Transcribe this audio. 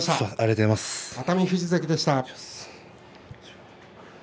熱海富士関でした。